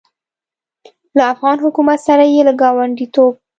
له افغان حکومت سره یې له ګاونډیتوب